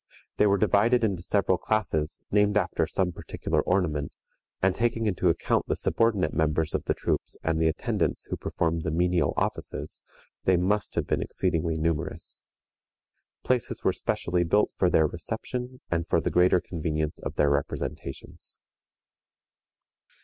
They were divided into several classes, named after some particular ornament; and, taking into account the subordinate members of the troops and the attendants who performed the menial offices, they must have been exceedingly numerous. Places were specially built for their reception, and for the greater convenience of their representations.